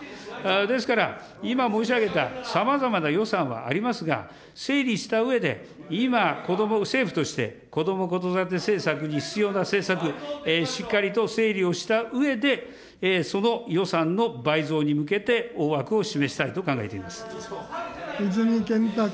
ですから、今申し上げたさまざまな予算はありますが、整理したうえで、今、政府としてこども・子育て政策に必要な政策、しっかりと整理をしたうえで、その予算の倍増に向けて、大枠を示したいと考えていま泉健太君。